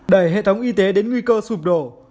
đẩy hệ thống y tế đến nguy cơ sụp đổ